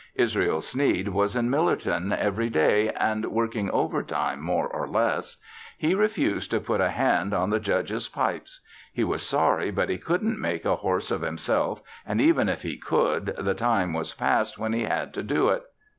Israel Sneed was in Millerton every day and working overtime more or less. He refused to put a hand on the Judge's pipes. He was sorry but he couldn't make a horse of himself and even if he could the time was past when he had to do it.